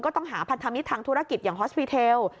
ต้องหาพันธมิตรทางธุรกิจอย่างฮอสปีเทล